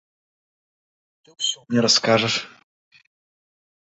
Ты ўсё мне раскажаш!